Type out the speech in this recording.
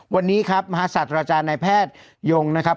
วันนี้ครับมหาศาสตราจารย์นายแพทยงนะครับ